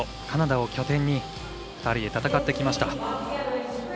カナダを拠点に２人で戦ってきました。